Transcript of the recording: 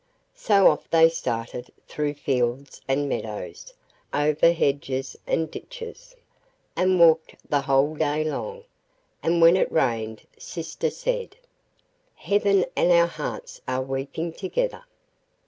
So off they started through fields and meadows, over hedges and ditches, and walked the whole day long, and when it rained sister said: 'Heaven and our hearts are weeping together.